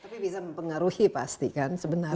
tapi bisa mempengaruhi pasti kan sebenarnya